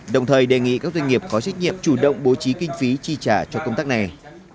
đồng thời đề nghị các doanh nghiệp có trách nhiệm chủ động bố trí kinh phí chi trả cho công tác này